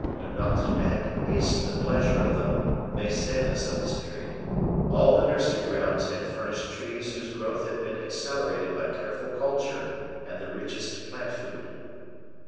Lenotre had hastened the pleasure of the Maecenas of his period; all the nursery grounds had furnished trees whose growth had been accelerated by careful culture and the richest plant food.